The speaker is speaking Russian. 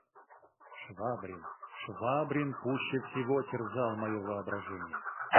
Швабрин, Швабрин пуще всего терзал мое воображение.